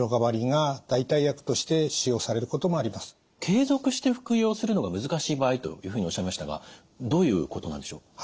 継続して服用するのが難しい場合というふうにおっしゃいましたがどういうことなんでしょう？